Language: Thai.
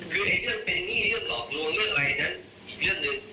คือเรื่องเป็นหนี้เรื่องหลอกลวงเรื่องอะไรนั้นอีกเรื่องหนึ่ง